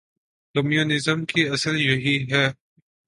Communism کی اصل یہی ہے۔